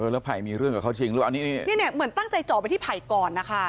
เหมือนตั้งใจจอไปที่ผ่ายก่อนนะคะ